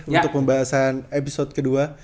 untuk pembahasan episode kedua